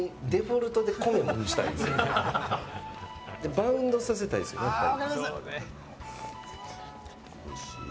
バウンドさせたいんですよね、やっぱり。